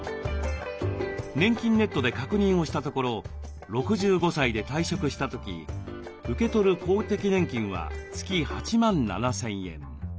「ねんきんネット」で確認をしたところ６５歳で退職した時受け取る公的年金は月８万７，０００円。